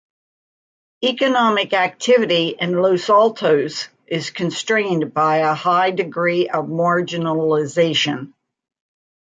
Economic activity in Los Altos is constrained by a high degree of marginalization.